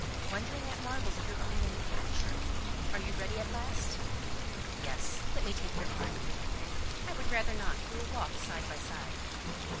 "Wondering at marvels of your own manufacture. Are you ready at last?" "Yes; let me take your arm." "I would rather not: we will walk side by side."